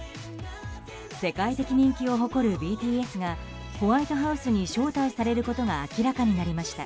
世界的人気を誇るＢＴＳがホワイトハウスに招待されることが明らかになりました。